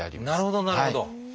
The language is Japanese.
なるほどなるほど。